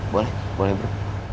boleh boleh bro